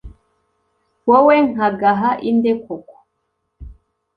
wowe nkagaha inde koko?”